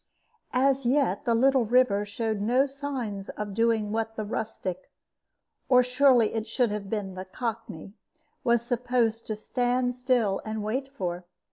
As yet the little river showed no signs of doing what the rustic or surely it should have been the cockney was supposed to stand still and wait for.